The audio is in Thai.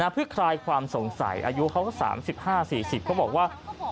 เพื่อคลายความสงสัยอายุเขาก็สามสิบห้าสี่สิบเขาบอกว่า